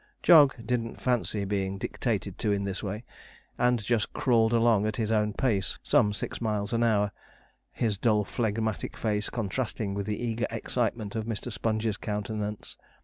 Jog didn't fancy being dictated to in this way, and just crawled along at his own pace, some six miles an hour, his dull phlegmatic face contrasting with the eager excitement of Mr. Sponge's countenance.